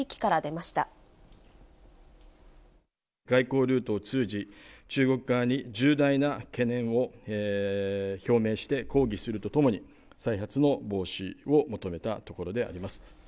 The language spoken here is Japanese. ご外交ルートを通じ、中国側に重大な懸念を表明して、抗議するとともに、再発の防止を求めたところであります。